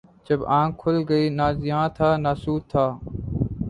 جب آنکھ کھل گئی، نہ زیاں تھا نہ سود تھا